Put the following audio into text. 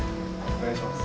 お願いします。